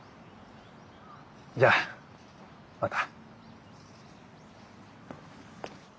じゃまた。